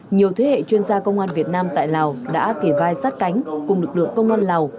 nhiều thế hệ chuyên gia công an việt nam tại lào đã kề vai sát cánh cùng lực lượng công an lào